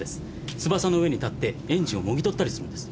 翼の上に立ってエンジンをもぎ取ったりするんです。